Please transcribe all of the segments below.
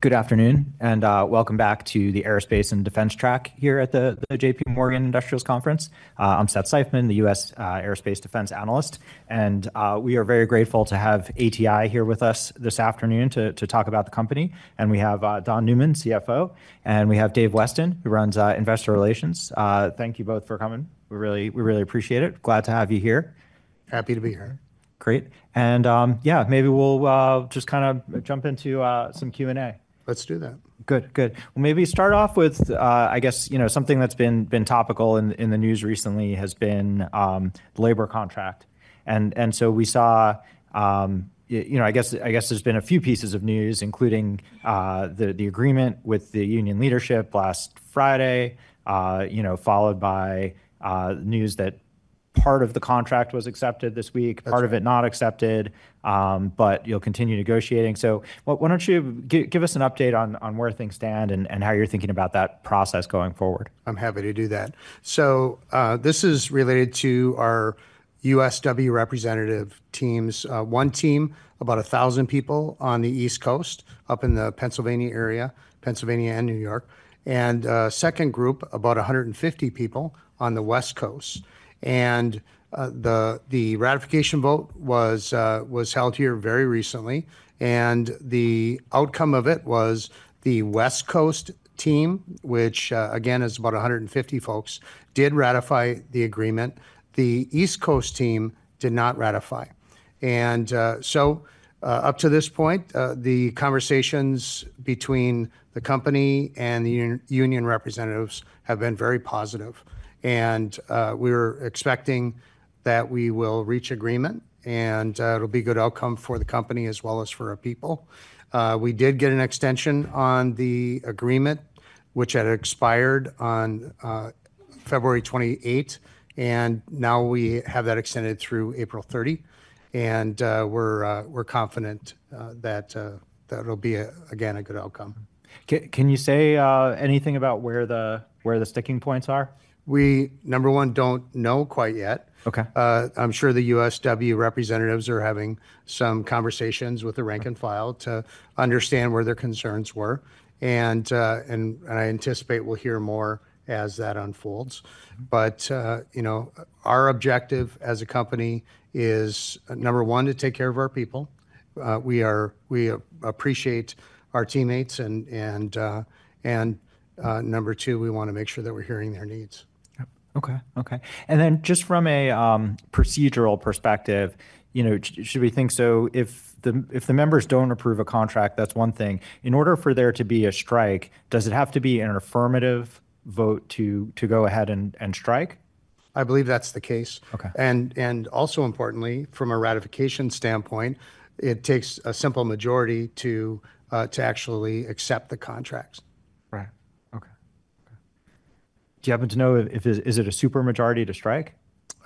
Good afternoon, and welcome back to the Aerospace and Defense Track here at the JPMorgan Industrials Conference. I'm Seth Seifman, the U.S. aerospace defense analyst, and we are very grateful to have ATI here with us this afternoon to talk about the company. We have Don Newman, CFO, and we have Dave Weston, who runs Investor Relations. Thank you both for coming. We really appreciate it. Glad to have you here. Happy to be here. Great. Yeah, maybe we'll just kind of jump into some Q&A. Let's do that. Good. Good. Maybe start off with, I guess, you know, something that's been topical in the news recently has been the labor contract. We saw, you know, I guess there's been a few pieces of news, including the agreement with the union leadership last Friday, followed by news that part of the contract was accepted this week, part of it not accepted, but you'll continue negotiating. Why don't you give us an update on where things stand and how you're thinking about that process going forward? I'm happy to do that. This is related to our USW representative teams. One team, about 1,000 people on the East Coast, up in the Pennsylvania area, Pennsylvania and New York. A second group, about 150 people on the West Coast. The ratification vote was held here very recently. The outcome of it was the West Coast team, which, again, is about 150 folks, did ratify the agreement. The East Coast team did not ratify. Up to this point, the conversations between the company and the union representatives have been very positive. We were expecting that we will reach agreement, and it'll be a good outcome for the company as well as for our people. We did get an extension on the agreement, which had expired on February 28, and now we have that extended through April 30. We're confident that it'll be, again, a good outcome. Can you say anything about where the sticking points are? We, number one, don't know quite yet. Okay. I'm sure the USW representatives are having some conversations with the rank and file to understand where their concerns were. I anticipate we'll hear more as that unfolds. You know, our objective as a company is, number one, to take care of our people. We appreciate our teammates. Number two, we want to make sure that we're hearing their needs. Yep. Okay. Okay. And then just from a procedural perspective, you know, should we think so, if the members don't approve a contract, that's one thing. In order for there to be a strike, does it have to be an affirmative vote to go ahead and strike? I believe that's the case. Okay. Also importantly, from a ratification standpoint, it takes a simple majority to actually accept the contracts. Right. Okay. Do you happen to know, is it a supermajority to strike?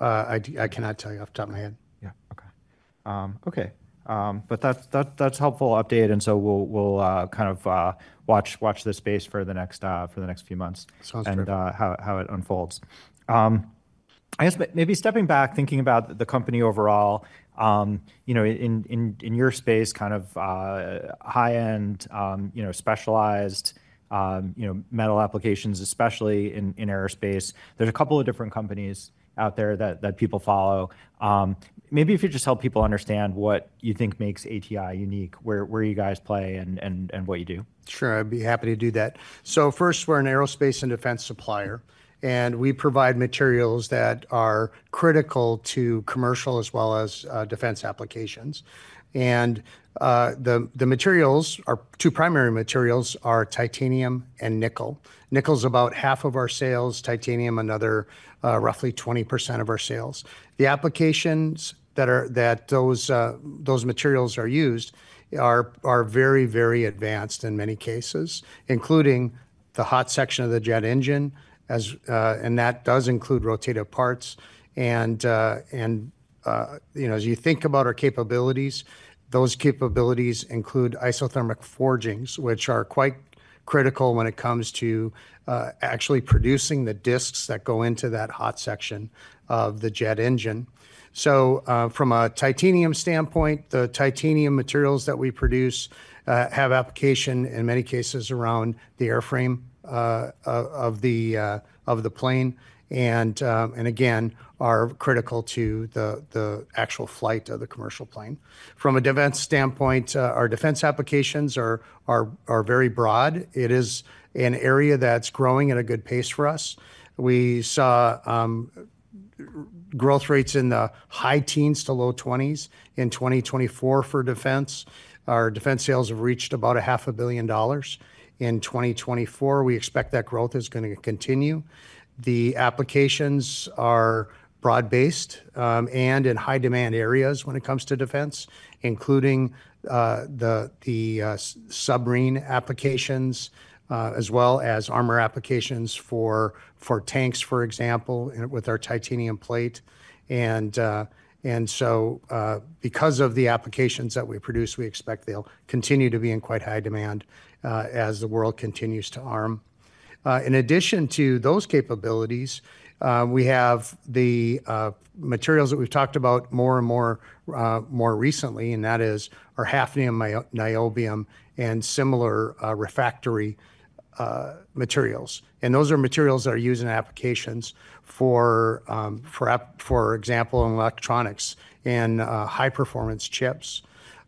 I cannot tell you off the top of my head. Yeah. Okay. Okay. That's helpful update. We'll kind of watch this space for the next few months. Sounds good. How it unfolds. I guess maybe stepping back, thinking about the company overall, you know, in your space, kind of high-end, you know, specialized, you know, metal applications, especially in aerospace, there's a couple of different companies out there that people follow. Maybe if you just help people understand what you think makes ATI unique, where you guys play and what you do. Sure. I'd be happy to do that. First, we're an aerospace and defense supplier. We provide materials that are critical to commercial as well as defense applications. The materials, our two primary materials, are titanium and nickel. Nickel's about half of our sales, titanium another roughly 20% of our sales. The applications that those materials are used are very, very advanced in many cases, including the hot section of the jet engine, and that does include rotat parts. You know, as you think about our capabilities, those capabilities include isothermal forgings, which are quite critical when it comes to actually producing the disks that go into that hot section of the jet engine. From a titanium standpoint, the titanium materials that we produce have application in many cases around the airframe of the plane. Again, are critical to the actual flight of the commercial plane. From a defense standpoint, our defense applications are very broad. It is an area that's growing at a good pace for us. We saw growth rates in the high teens to low 20s in 2024 for defense. Our defense sales have reached about $500,000,000 in 2024. We expect that growth is going to continue. The applications are broad-based and in high-demand areas when it comes to defense, including the submarine applications, as well as armor applications for tanks, for example, with our titanium plate. Because of the applications that we produce, we expect they'll continue to be in quite high demand as the world continues to arm. In addition to those capabilities, we have the materials that we've talked about more and more recently, and that is our hafnium, niobium, and similar refractory materials. Those are materials that are used in applications, for example, in electronics, in high-performance chips,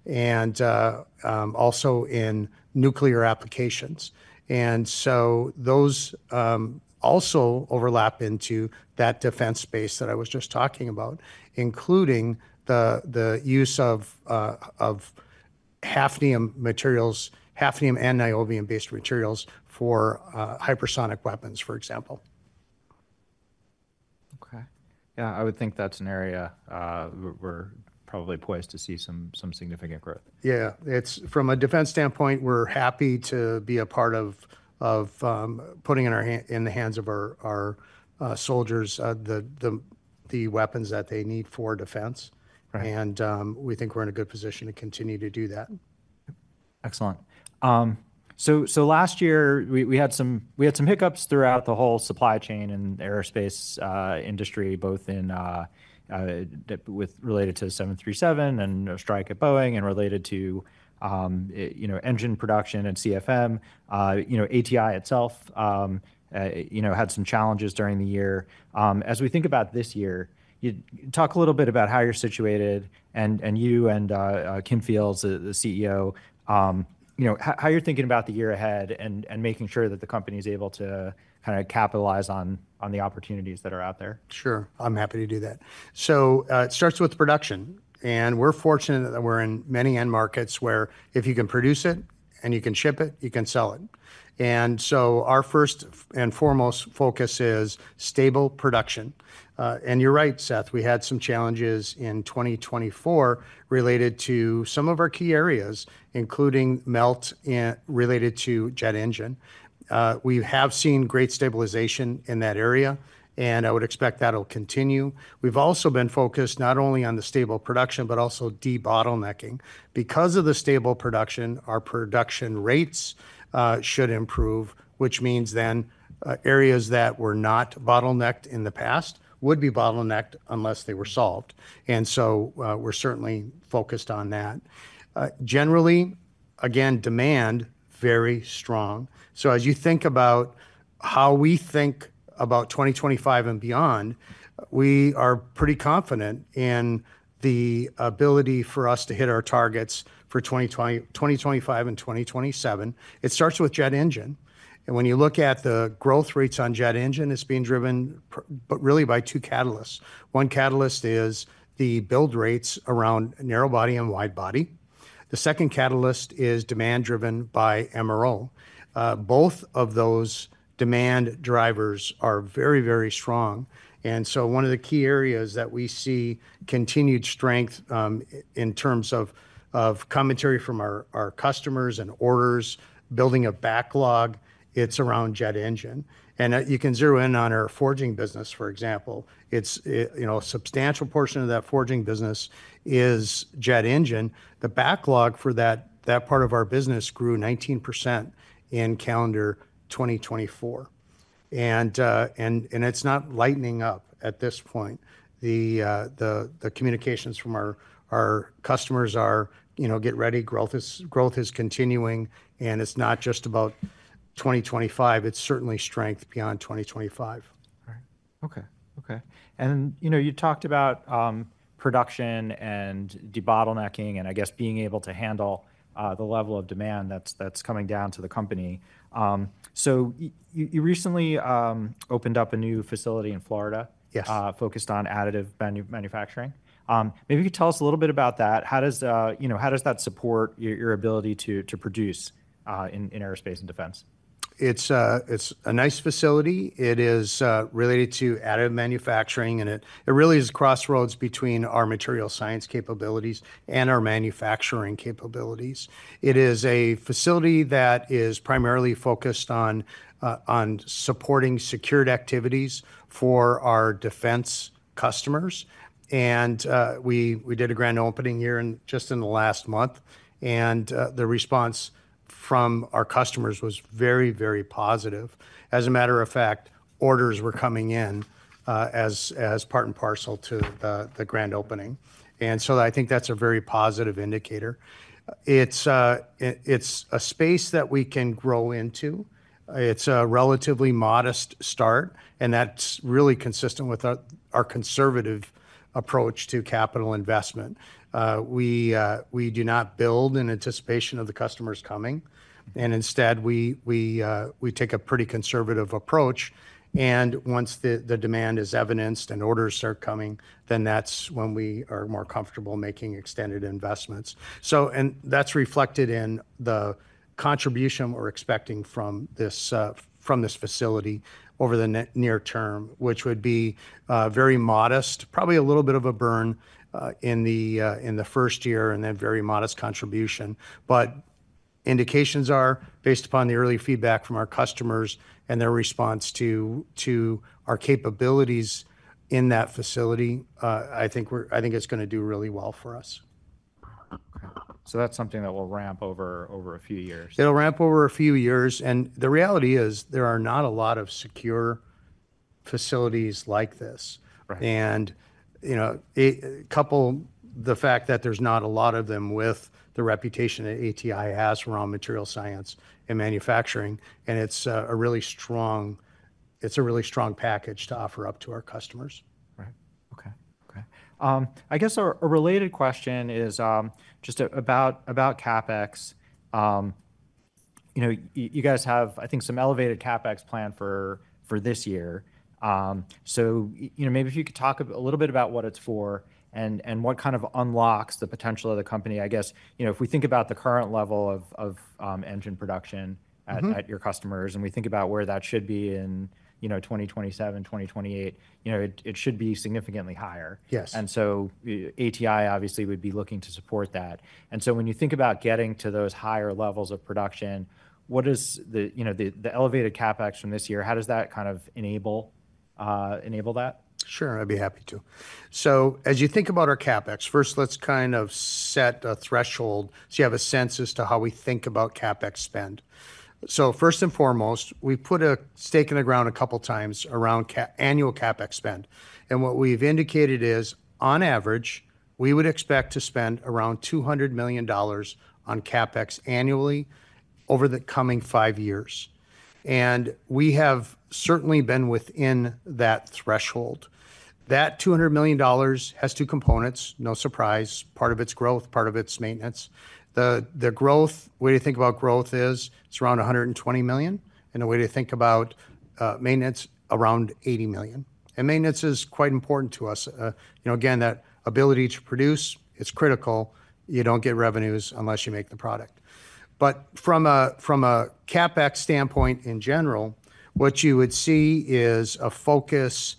and also in nuclear applications. Those also overlap into that defense space that I was just talking about, including the use of hafnium materials, hafnium and niobium-based materials for hypersonic weapons, for example. Okay. Yeah, I would think that's an area we're probably poised to see some significant growth. Yeah. From a defense standpoint, we're happy to be a part of putting in the hands of our soldiers the weapons that they need for defense. We think we're in a good position to continue to do that. Excellent. Last year, we had some hiccups throughout the whole supply chain and aerospace industry, both related to 737 and a strike at Boeing and related to engine production and CFM. You know, ATI itself, you know, had some challenges during the year. As we think about this year, talk a little bit about how you're situated and you and Kim Fields, the CEO, you know, how you're thinking about the year ahead and making sure that the company is able to kind of capitalize on the opportunities that are out there. Sure. I'm happy to do that. It starts with production. We're fortunate that we're in many end markets where if you can produce it and you can ship it, you can sell it. Our first and foremost focus is stable production. You're right, Seth, we had some challenges in 2024 related to some of our key areas, including melt related to jet engine. We have seen great stabilization in that area, and I would expect that'll continue. We've also been focused not only on the stable production, but also debottlenecking. Because of the stable production, our production rates should improve, which means then areas that were not bottlenecked in the past would be bottlenecked unless they were solved. We're certainly focused on that. Generally, again, demand is very strong. As you think about how we think about 2025 and beyond, we are pretty confident in the ability for us to hit our targets for 2025 and 2027. It starts with jet engine. When you look at the growth rates on jet engine, it is being driven really by two catalysts. One catalyst is the build rates around narrow body and wide body. The second catalyst is demand driven by MRO. Both of those demand drivers are very, very strong. One of the key areas that we see continued strength in terms of commentary from our customers and orders, building a backlog, is around jet engine. You can zero in on our forging business, for example. A substantial portion of that forging business is jet engine. The backlog for that part of our business grew 19% in calendar 2024. It is not lightening up at this point. The communications from our customers are, you know, get ready, growth is continuing. It is not just about 2025. It is certainly strength beyond 2025. Right. Okay. Okay. You talked about production and debottlenecking and, I guess, being able to handle the level of demand that's coming down to the company. You recently opened up a new facility in Florida. Yes. Focused on additive manufacturing. Maybe you could tell us a little bit about that. How does that support your ability to produce in aerospace and defense? It's a nice facility. It is related to additive manufacturing. It really is a crossroads between our material science capabilities and our manufacturing capabilities. It is a facility that is primarily focused on supporting secured activities for our defense customers. We did a grand opening here just in the last month. The response from our customers was very, very positive. As a matter of fact, orders were coming in as part and parcel to the grand opening. I think that's a very positive indicator. It's a space that we can grow into. It's a relatively modest start. That's really consistent with our conservative approach to capital investment. We do not build in anticipation of the customers coming. Instead, we take a pretty conservative approach. Once the demand is evidenced and orders are coming, then that's when we are more comfortable making extended investments. That is reflected in the contribution we are expecting from this facility over the near term, which would be very modest, probably a little bit of a burn in the first year and then very modest contribution. Indications are based upon the early feedback from our customers and their response to our capabilities in that facility. I think it's going to do really well for us. Okay. That's something that will ramp over a few years. It'll ramp over a few years. The reality is there are not a lot of secure facilities like this. You know, couple the fact that there's not a lot of them with the reputation that ATI has around material science and manufacturing. It's a really strong package to offer up to our customers. Right. Okay. Okay. I guess a related question is just about CapEx. You know, you guys have, I think, some elevated CapEx plan for this year. You know, maybe if you could talk a little bit about what it's for and what kind of unlocks the potential of the company. I guess, you know, if we think about the current level of engine production at your customers and we think about where that should be in 2027, 2028, you know, it should be significantly higher. Yes. ATI obviously would be looking to support that. When you think about getting to those higher levels of production, what is the elevated CapEx from this year, how does that kind of enable that? Sure. I'd be happy to. As you think about our CapEx, first, let's kind of set a threshold so you have a sense as to how we think about CapEx spend. First and foremost, we've put a stake in the ground a couple of times around annual CapEx spend. What we've indicated is, on average, we would expect to spend around $200 million on CapEx annually over the coming five years. We have certainly been within that threshold. That $200 million has two components, no surprise, part of it's growth, part of it's maintenance. The growth, the way to think about growth is it's around $120 million. The way to think about maintenance, around $80 million. Maintenance is quite important to us. You know, again, that ability to produce, it's critical. You don't get revenues unless you make the product. From a CapEx standpoint in general, what you would see is a focus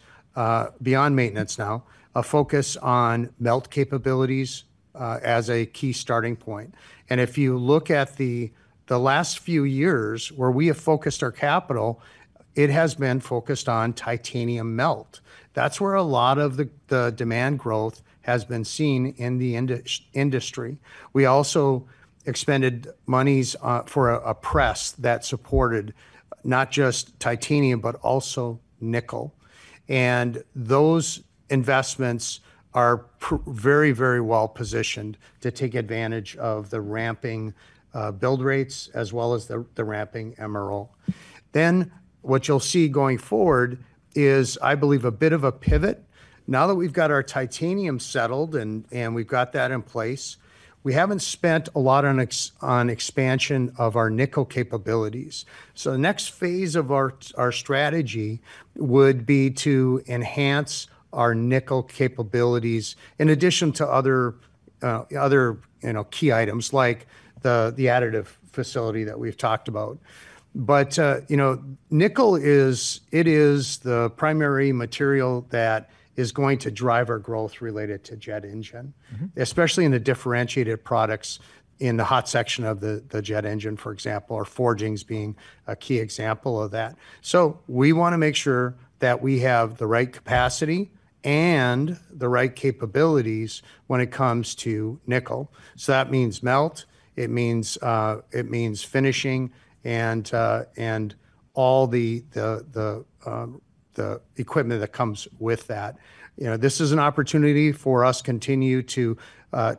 beyond maintenance now, a focus on melt capabilities as a key starting point. If you look at the last few years where we have focused our capital, it has been focused on titanium melt. That is where a lot of the demand growth has been seen in the industry. We also expended monies for a press that supported not just titanium, but also nickel. Those investments are very, very well positioned to take advantage of the ramping build rates as well as the ramping MRO. What you will see going forward is, I believe, a bit of a pivot. Now that we have got our titanium settled and we have got that in place, we have not spent a lot on expansion of our nickel capabilities. The next phase of our strategy would be to enhance our nickel capabilities in addition to other key items like the additive facility that we've talked about. You know, nickel is the primary material that is going to drive our growth related to jet engine, especially in the differentiated products in the hot section of the jet engine, for example, or forgings being a key example of that. We want to make sure that we have the right capacity and the right capabilities when it comes to nickel. That means melt, it means finishing, and all the equipment that comes with that. You know, this is an opportunity for us to continue to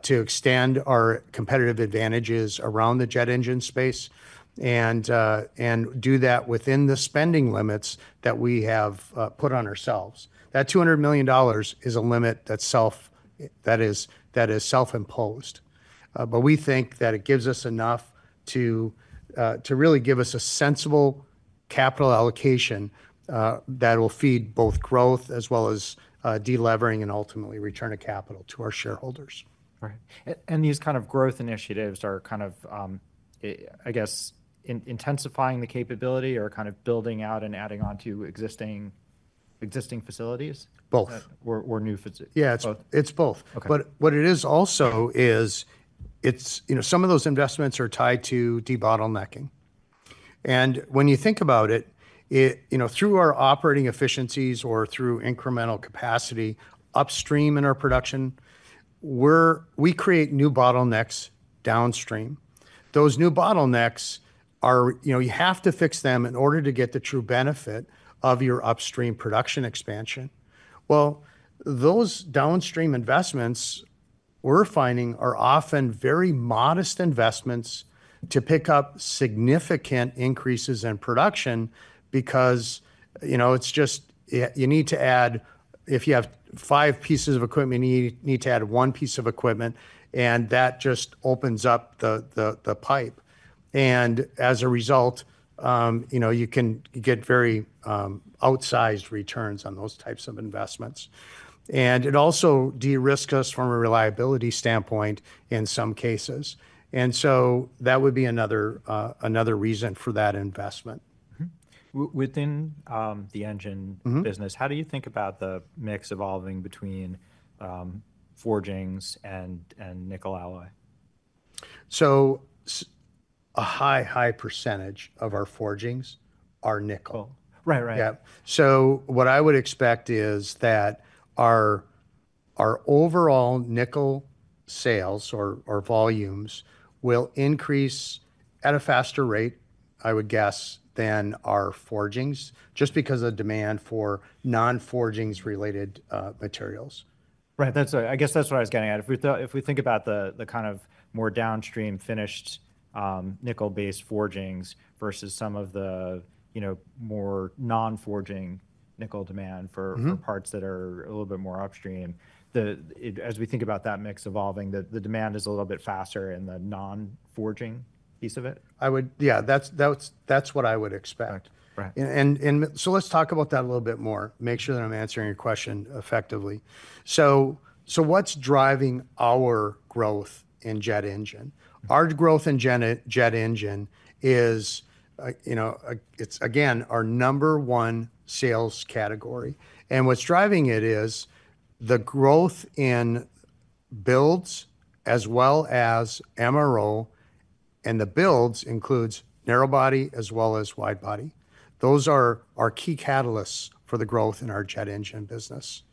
extend our competitive advantages around the jet engine space and do that within the spending limits that we have put on ourselves. That $200 million is a limit that is self-imposed. We think that it gives us enough to really give us a sensible capital allocation that will feed both growth as well as delevering and ultimately return of capital to our shareholders. Right. These kind of growth initiatives are kind of, I guess, intensifying the capability or kind of building out and adding on to existing facilities? Both. Or new facilities? Yeah, it's both. What it is also is, you know, some of those investments are tied to debottlenecking. When you think about it, you know, through our operating efficiencies or through incremental capacity upstream in our production, we create new bottlenecks downstream. Those new bottlenecks are, you know, you have to fix them in order to get the true benefit of your upstream production expansion. Those downstream investments we're finding are often very modest investments to pick up significant increases in production because, you know, it's just you need to add, if you have five pieces of equipment, you need to add one piece of equipment. That just opens up the pipe. As a result, you know, you can get very outsized returns on those types of investments. It also de-risks us from a reliability standpoint in some cases. That would be another reason for that investment. Within the engine business, how do you think about the mix evolving between forgings and nickel alloy? A high, high percentage of our forgings are nickel. Right, right. Yeah. What I would expect is that our overall nickel sales or volumes will increase at a faster rate, I would guess, than our forgings just because of the demand for non-forgings related materials. Right. I guess that's what I was getting at. If we think about the kind of more downstream finished nickel-based forgings versus some of the, you know, more non-forging nickel demand for parts that are a little bit more upstream, as we think about that mix evolving, the demand is a little bit faster in the non-forging piece of it? I would, yeah, that's what I would expect. That's what I would expect. Let's talk about that a little bit more, make sure that I'm answering your question effectively. What's driving our growth in jet engine? Our growth in jet engine is, you know, it's again, our number one sales category. What's driving it is the growth in builds as well as MRO. The builds include narrow body as well as wide body. Those are our key catalysts for the growth in our jet engine business.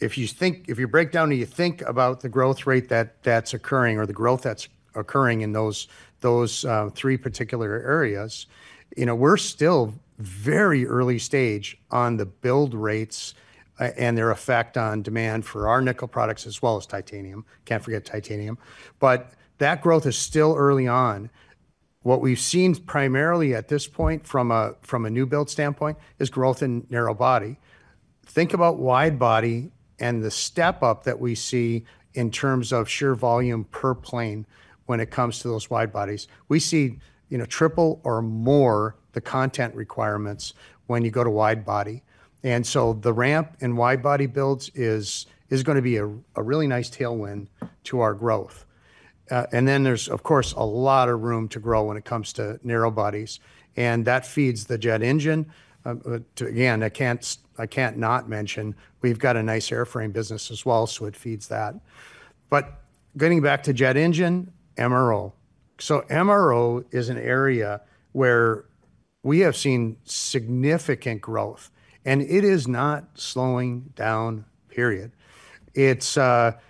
If you think, if you break down and you think about the growth rate that's occurring or the growth that's occurring in those three particular areas, you know, we're still very early stage on the build rates and their effect on demand for our nickel products as well as titanium. Can't forget titanium. That growth is still early on. What we've seen primarily at this point from a new build standpoint is growth in narrow body. Think about wide body and the step up that we see in terms of sheer volume per plane when it comes to those wide bodies. We see, you know, triple or more the content requirements when you go to wide body. The ramp in wide body builds is going to be a really nice tailwind to our growth. There is, of course, a lot of room to grow when it comes to narrow bodies. That feeds the jet engine. Again, I can't not mention we've got a nice airframe business as well, so it feeds that. Getting back to jet engine, MRO. MRO is an area where we have seen significant growth. It is not slowing down, period. It's an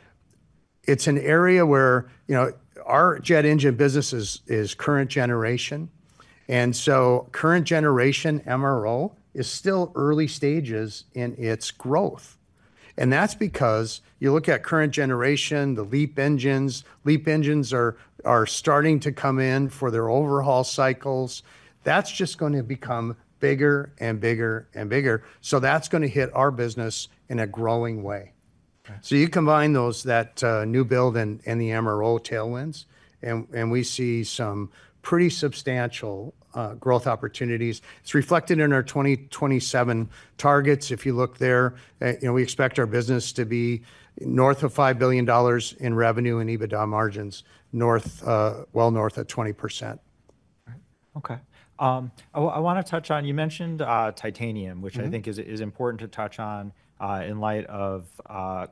area where, you know, our jet engine business is current generation. And so current generation MRO is still early stages in its growth. And that's because you look at current generation, the LEAP engines, LEAP engines are starting to come in for their overhaul cycles. That's just going to become bigger and bigger and bigger. That is going to hit our business in a growing way. You combine those, that new build and the MRO tailwinds, and we see some pretty substantial growth opportunities. It's reflected in our 2027 targets. If you look there, you know, we expect our business to be north of $5 billion in revenue and EBITDA margins north, well north of 20%. Okay. I want to touch on, you mentioned titanium, which I think is important to touch on in light of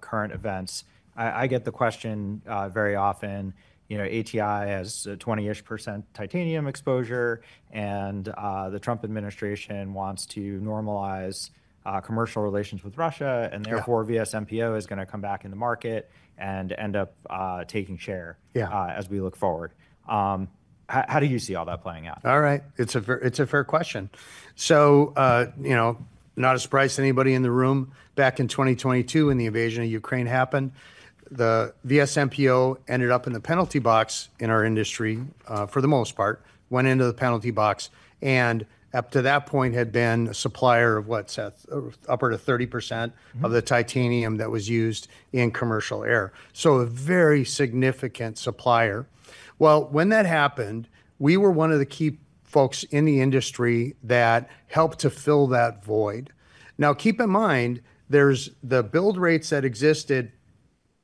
current events. I get the question very often, you know, ATI has 20% titanium exposure. The Trump administration wants to normalize commercial relations with Russia. Therefore, VSMPO is going to come back in the market and end up taking share as we look forward. How do you see all that playing out? All right. It's a fair question. You know, not a surprise to anybody in the room. Back in 2022, when the invasion of Ukraine happened, VSMPO ended up in the penalty box in our industry for the most part, went into the penalty box. Up to that point, had been a supplier of what, Seth, upward of 30% of the titanium that was used in commercial air. A very significant supplier. When that happened, we were one of the key folks in the industry that helped to fill that void. Now, keep in mind, there's the build rates that existed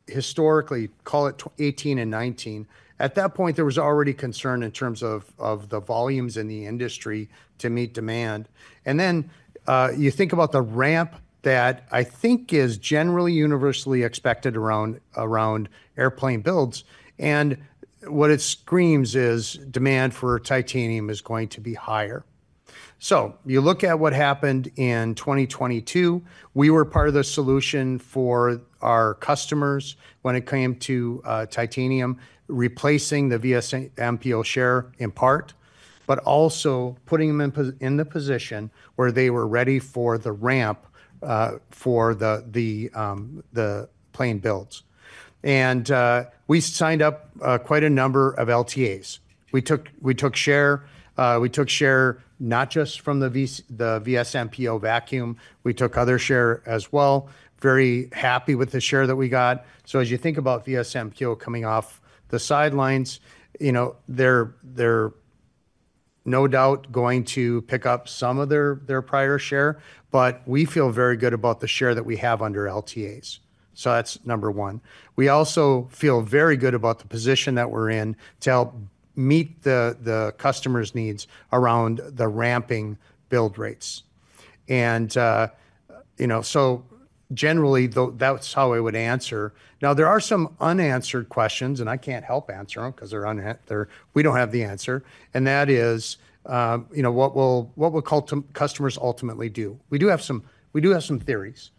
historically, call it 2018 and 2019. At that point, there was already concern in terms of the volumes in the industry to meet demand. You think about the ramp that I think is generally universally expected around airplane builds. What it screams is demand for titanium is going to be higher. You look at what happened in 2022, we were part of the solution for our customers when it came to titanium, replacing the VSMPO share in part, but also putting them in the position where they were ready for the ramp for the plane builds. We signed up quite a number of LTAs. We took share, we took share not just from the VSMPO vacuum, we took other share as well. Very happy with the share that we got. As you think about VSMPO coming off the sidelines, you know, they're no doubt going to pick up some of their prior share. We feel very good about the share that we have under LTAs. That's number one. We also feel very good about the position that we're in to help meet the customer's needs around the ramping build rates. You know, generally, that's how I would answer. There are some unanswered questions, and I can't help answer them because we don't have the answer. That is, you know, what will customers ultimately do? We do have some theories.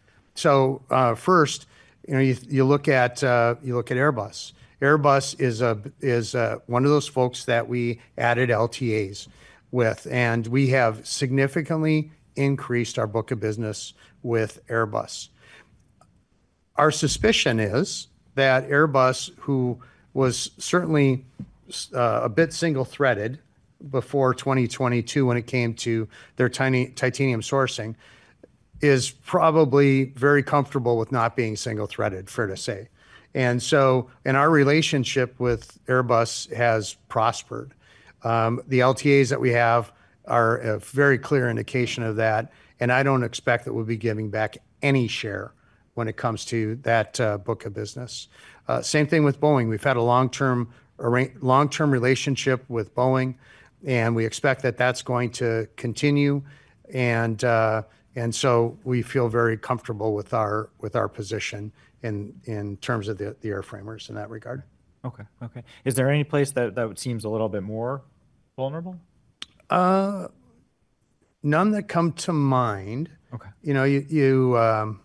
First, you know, you look at Airbus. Airbus is one of those folks that we added LTAs with. We have significantly increased our book of business with Airbus. Our suspicion is that Airbus, who was certainly a bit single-threaded before 2022 when it came to their titanium sourcing, is probably very comfortable with not being single-threaded, fair to say. Our relationship with Airbus has prospered. The LTAs that we have are a very clear indication of that. I don't expect that we'll be giving back any share when it comes to that book of business. Same thing with Boeing. We've had a long-term relationship with Boeing. We expect that that's going to continue. We feel very comfortable with our position in terms of the airframers in that regard. Okay, okay. Is there any place that seems a little bit more vulnerable? None that come to mind. You know,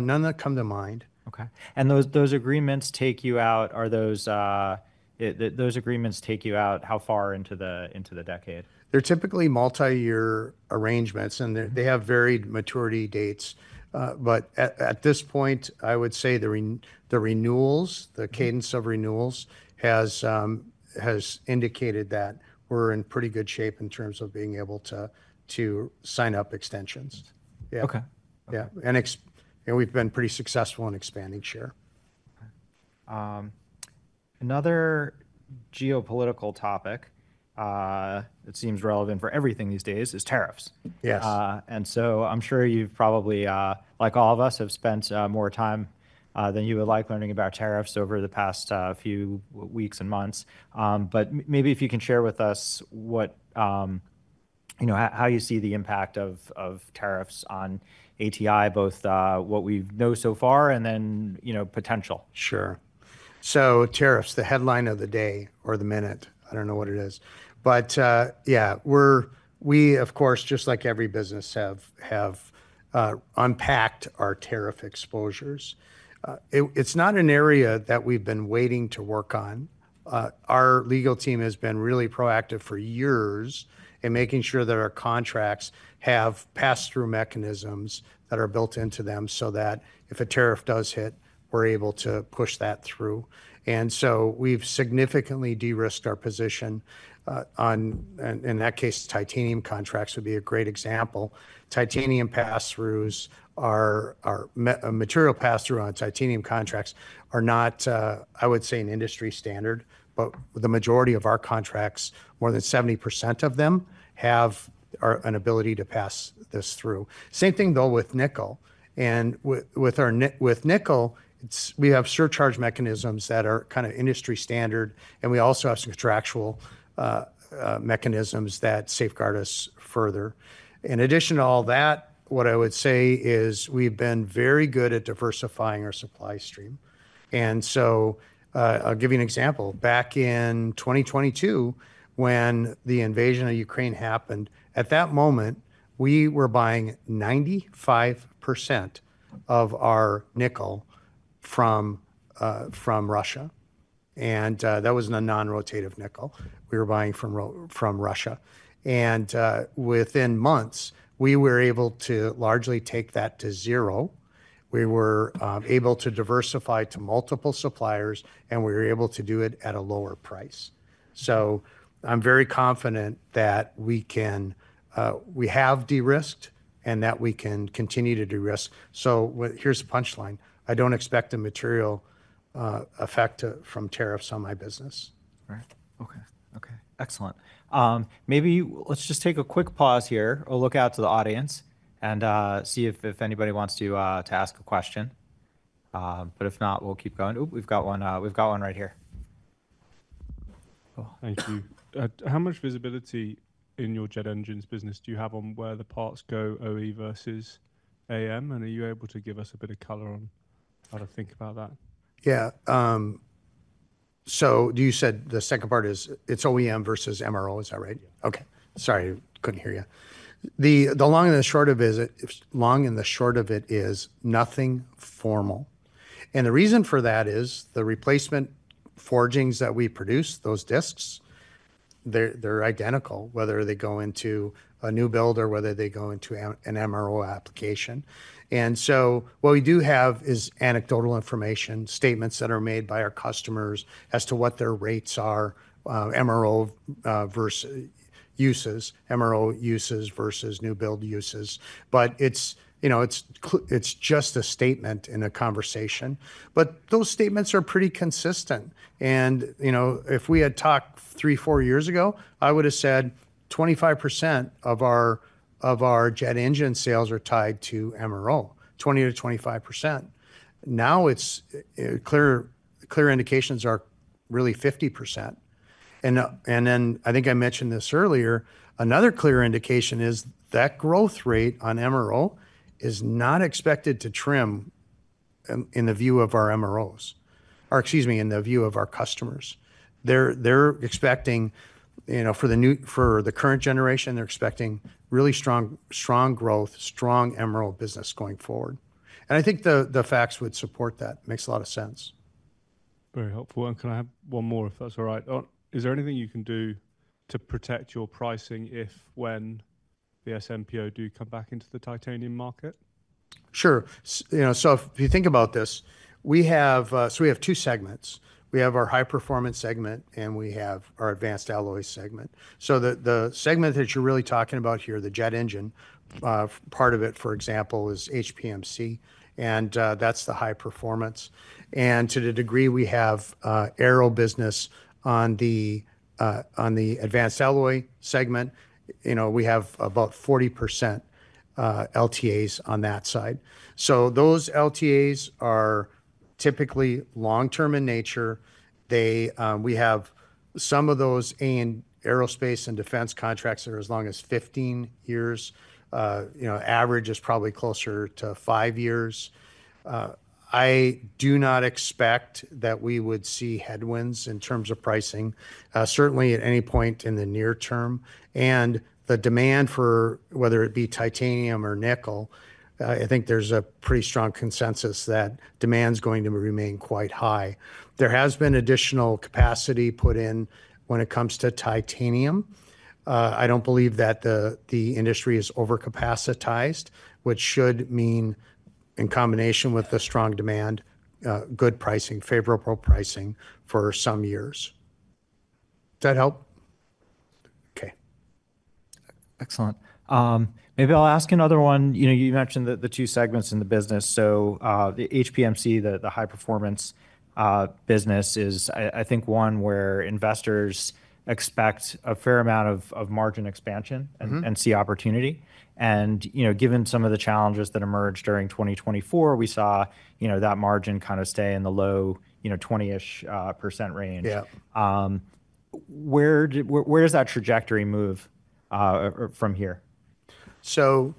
none that come to mind. Okay. Those agreements take you out, are those agreements take you out how far into the decade? They're typically multi-year arrangements. They have varied maturity dates. At this point, I would say the renewals, the cadence of renewals has indicated that we're in pretty good shape in terms of being able to sign up extensions. Yeah. Okay. Yeah. We have been pretty successful in expanding share. Another geopolitical topic that seems relevant for everything these days is tariffs. Yes. I'm sure you've probably, like all of us, have spent more time than you would like learning about tariffs over the past few weeks and months. Maybe if you can share with us what, you know, how you see the impact of tariffs on ATI, both what we know so far and then, you know, potential. Sure. Tariffs, the headline of the day or the minute, I don't know what it is. We, of course, just like every business, have unpacked our tariff exposures. It's not an area that we've been waiting to work on. Our legal team has been really proactive for years in making sure that our contracts have pass-through mechanisms that are built into them so that if a tariff does hit, we're able to push that through. We've significantly de-risked our position on, in that case, titanium contracts would be a great example. Titanium pass-throughs, our material pass-through on titanium contracts are not, I would say, an industry standard. The majority of our contracts, more than 70% of them, have an ability to pass this through. Same thing, though, with nickel. With nickel, we have surcharge mechanisms that are kind of industry standard. We also have some contractual mechanisms that safeguard us further. In addition to all that, what I would say is we've been very good at diversifying our supply stream. I'll give you an example. Back in 2022, when the invasion of Ukraine happened, at that moment, we were buying 95% of our nickel from Russia. That was a non-rotative nickel we were buying from Russia. Within months, we were able to largely take that to zero. We were able to diversify to multiple suppliers, and we were able to do it at a lower price. I'm very confident that we have de-risked and that we can continue to de-risk. Here's the punchline. I don't expect a material effect from tariffs on my business. Right. Okay, okay. Excellent. Maybe let's just take a quick pause here, a look out to the audience, and see if anybody wants to ask a question. If not, we'll keep going. Oop, we've got one right here. Thank you. How much visibility in your jet engines business do you have on where the parts go OE versus AM? And are you able to give us a bit of color on how to think about that? Yeah. You said the second part is it's OEM versus MRO, is that right? Yeah. Okay. Sorry, couldn't hear you. The long and the short of it is, long and the short of it is nothing formal. The reason for that is the replacement forgings that we produce, those discs, they're identical, whether they go into a new build or whether they go into an MRO application. What we do have is anecdotal information, statements that are made by our customers as to what their rates are, MRO versus uses, MRO uses versus new build uses. It's just a statement in a conversation. Those statements are pretty consistent. You know, if we had talked three, four years ago, I would have said 25% of our jet engine sales are tied to MRO, 20-25%. Now it's clear indications are really 50%. I think I mentioned this earlier, another clear indication is that growth rate on MRO is not expected to trim in the view of our MROs, or excuse me, in the view of our customers. They're expecting, you know, for the current generation, they're expecting really strong growth, strong MRO business going forward. I think the facts would support that. Makes a lot of sense. Very helpful. Can I have one more if that's all right? Is there anything you can do to protect your pricing if, when VSMPO do come back into the titanium market? Sure. You know, if you think about this, we have two segments. We have our high-performance segment, and we have our advanced alloy segment. The segment that you're really talking about here, the jet engine part of it, for example, is HPMC. And that's the high performance. To the degree we have aero business on the advanced alloy segment, you know, we have about 40% LTAs on that side. Those LTAs are typically long-term in nature. We have some of those aimed aerospace and defense contracts that are as long as 15 years. You know, average is probably closer to five years. I do not expect that we would see headwinds in terms of pricing, certainly at any point in the near term. The demand for whether it be titanium or nickel, I think there's a pretty strong consensus that demand's going to remain quite high. There has been additional capacity put in when it comes to titanium. I don't believe that the industry is overcapacitized, which should mean, in combination with the strong demand, good pricing, favorable pricing for some years. Does that help? Okay. Excellent. Maybe I'll ask another one. You mentioned the two segments in the business. The HPMC, the high-performance business, is, I think, one where investors expect a fair amount of margin expansion and see opportunity. And, you know, given some of the challenges that emerged during 2024, we saw, you know, that margin kind of stay in the low, you know, 20% range. Yeah. Where does that trajectory move from here? For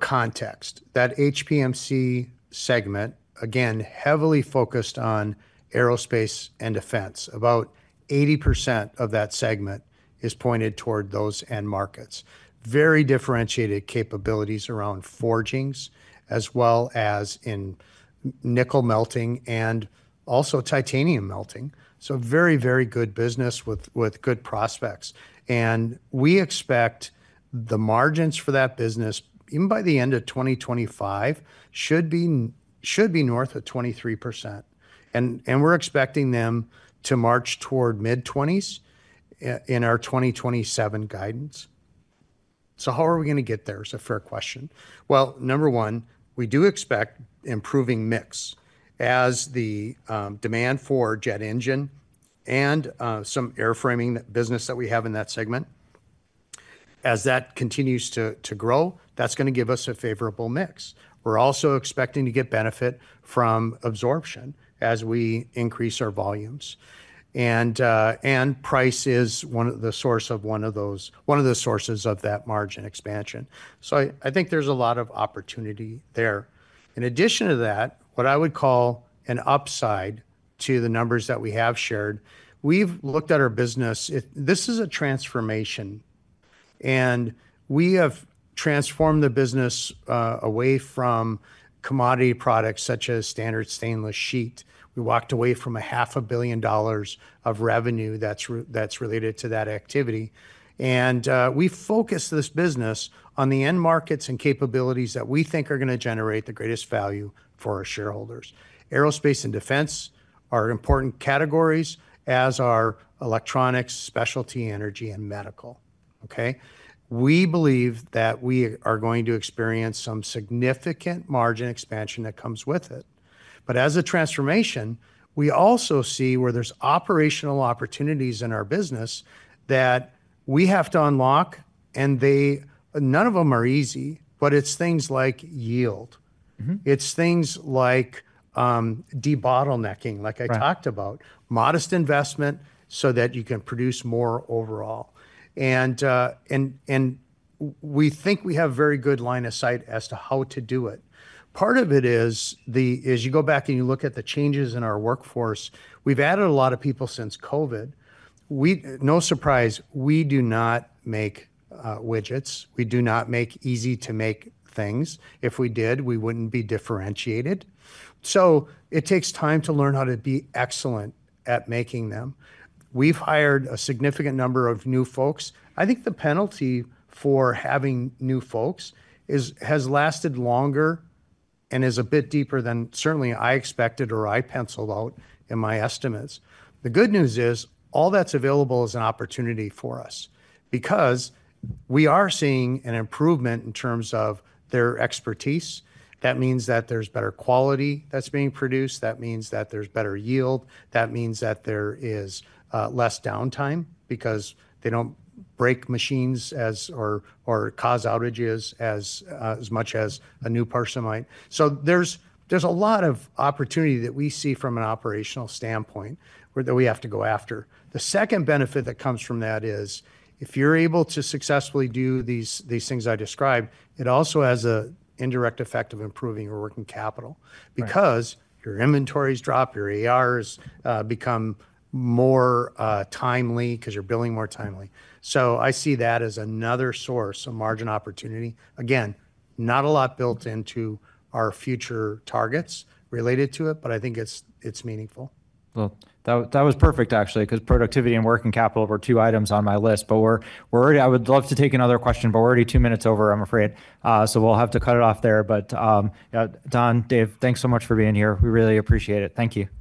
context, that HPMC segment, again, heavily focused on aerospace and defense. About 80% of that segment is pointed toward those end markets. Very differentiated capabilities around forgings, as well as in nickel melting and also titanium melting. Very, very good business with good prospects. We expect the margins for that business, even by the end of 2025, should be north of 23%. We are expecting them to march toward mid-20s in our 2027 guidance. How are we going to get there is a fair question. Number one, we do expect improving mix as the demand for jet engine and some airframing business that we have in that segment. As that continues to grow, that is going to give us a favorable mix. We are also expecting to get benefit from absorption as we increase our volumes. Price is one of the sources of that margin expansion. I think there's a lot of opportunity there. In addition to that, what I would call an upside to the numbers that we have shared, we've looked at our business. This is a transformation. We have transformed the business away from commodity products such as standard stainless sheet. We walked away from $500,000,000 of revenue that's related to that activity. We focused this business on the end markets and capabilities that we think are going to generate the greatest value for our shareholders. Aerospace and defense are important categories, as are electronics, specialty, energy, and medical. Okay? We believe that we are going to experience some significant margin expansion that comes with it. As a transformation, we also see where there's operational opportunities in our business that we have to unlock. None of them are easy. It's things like yield. It's things like debottlenecking, like I talked about, modest investment so that you can produce more overall. We think we have a very good line of sight as to how to do it. Part of it is, as you go back and you look at the changes in our workforce, we've added a lot of people since COVID. No surprise, we do not make widgets. We do not make easy-to-make things. If we did, we wouldn't be differentiated. It takes time to learn how to be excellent at making them. We've hired a significant number of new folks. I think the penalty for having new folks has lasted longer and is a bit deeper than certainly I expected or I penciled out in my estimates. The good news is all that's available is an opportunity for us. Because we are seeing an improvement in terms of their expertise. That means that there's better quality that's being produced. That means that there's better yield. That means that there is less downtime because they don't break machines or cause outages as much as a new parcel might. There is a lot of opportunity that we see from an operational standpoint that we have to go after. The second benefit that comes from that is if you're able to successfully do these things I described, it also has an indirect effect of improving your working capital. Because your inventories drop, your ARs become more timely because you're billing more timely. I see that as another source of margin opportunity. Again, not a lot built into our future targets related to it, but I think it's meaningful. That was perfect, actually, because productivity and working capital were two items on my list. I would love to take another question, but we're already two minutes over, I'm afraid. We'll have to cut it off there. Don, Dave, thanks so much for being here. We really appreciate it. Thank you.